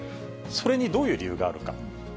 それにどういう理由があるか。